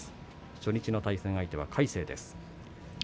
初日の対戦相手は魁聖です。